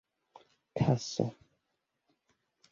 taso